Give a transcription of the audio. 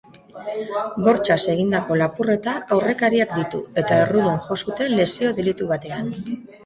Bortxaz egindako lapurreta aurrekariak ditu, eta errudun jo zuten lesio delitu batean.